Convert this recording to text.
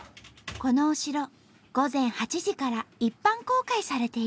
このお城午前８時から一般公開されている。